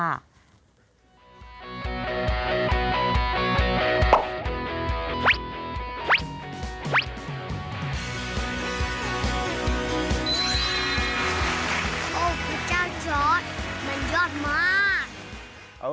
โอ้พระเจ้าจอร์ดมันยอดมาก